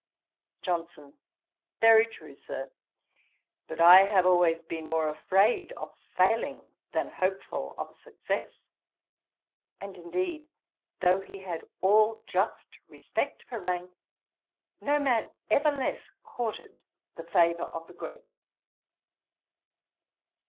"' JOHNSON. 'Very true, Sir; but I have always been more afraid of failing, than hopeful of success.' And, indeed, though he had all just respect for rank, no man ever less courted the favour of the great.